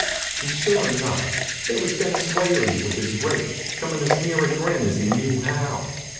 And sure enough, there was Dennis Whaley with his rake, comin' as near a grin as he knew how.